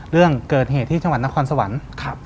เรื่องเกิดเหตุที่จังหวัดนครสวรรค์